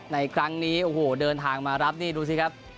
ในครั้งนี้โอ้โหเดินทางมารับนี่ดูสิครับ